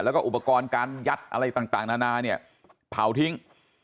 และอุปกรณ์การยัดอะไรต่างนานาเผาทิ้ง